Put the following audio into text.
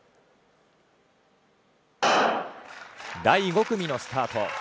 第５組のスタート。